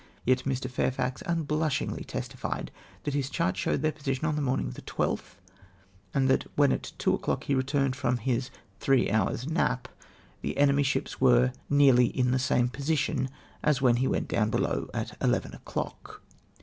Yet Mr. Fairfax un blushingly testified that his chart showed their position on the morning of the 12th, and that when at two o'clock he returned from his t]iree hours nap, the enemy's ships were " nearly ix the same position as wdien he went below at eleven o'clock